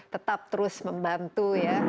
tetap terus membantu ya